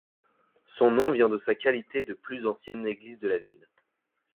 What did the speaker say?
Son nom vient de sa qualité de plus ancienne église de la ville.